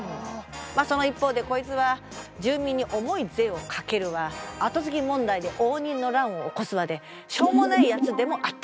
その一方でこいつは住民に重い税をかけるわ跡継ぎ問題で応仁の乱を起こすわでしょうもないやつでもあった。